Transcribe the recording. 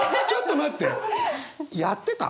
ちょっと待って。